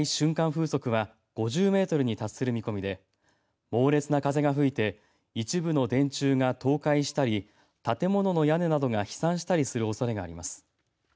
風速は５０メートルに達する見込みで猛烈な風が吹いて一部の電柱が倒壊したり建物の屋根などが飛散したりするおそれがあります。